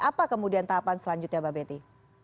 apa kemudian tahapan selanjutnya mbak betty